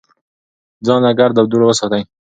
ځان له ګرد او دوړو وساتئ.